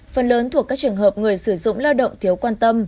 phần lớn thuộc các trường hợp người sử dụng lao động thiếu quan tâm